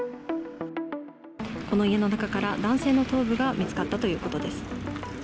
この家の中から男性の頭部が見つかったということです。